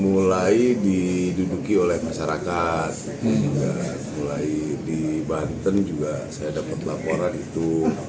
mulai diduduki oleh masyarakat mulai di banten juga saya dapat laporan itu